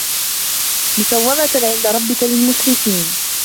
مُسَوَّمَةً عِندَ رَبِّكَ لِلمُسرِفينَ